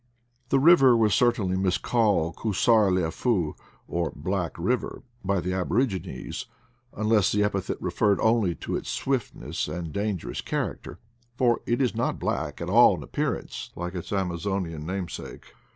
The river was certainly miscalled Cusar leof u, or Black River, by the aborigines, unless the epithet referred only to its swiftness and danger VALLEY OP THE BLACK EIVEE 35 ous character; for it is not black at all in appear ance, like its Amazonian namesake.